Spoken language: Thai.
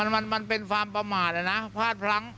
มันเป็นความประมาทนะพลาดพลั้ง